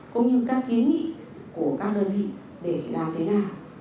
cũng như các kiến nghị của các đơn vị để làm thế nào